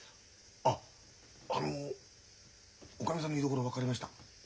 ああのおかみさんの居所分かりました？